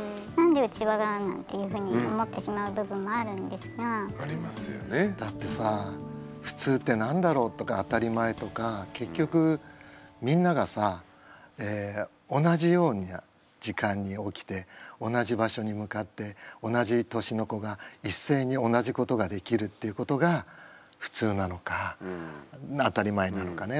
だから近所もすごい密集してるのでだってさ普通って何だろうとか当たり前とか結局みんながさ同じような時間に起きて同じ場所に向かって同じ年の子が一斉に同じことができるっていうことが普通なのか当たり前なのかね